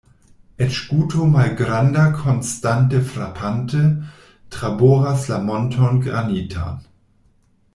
Eĉ guto malgranda, konstante frapante, traboras la monton granitan.